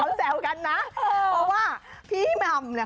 เพราะว่าพี่ม่ำ